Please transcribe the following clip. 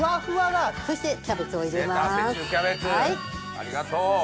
ありがとう。